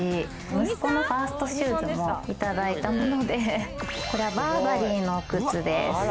息子のファーストシューズもいただいたもので、これはバーバリーの靴です。